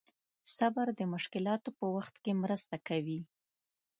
صبر د مشکلاتو په وخت کې مرسته کوي.